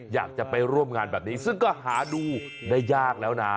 อยากจะไปร่วมงานแบบนี้ซึ่งก็หาดูได้ยากแล้วนะ